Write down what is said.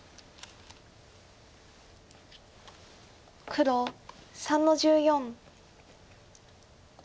黒３の十四。